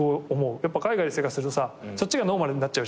やっぱ海外で生活するとそっちがノーマルになっちゃうじゃん。